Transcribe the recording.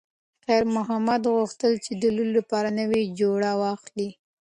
خیر محمد غوښتل چې د لور لپاره نوې جوړه واخلي.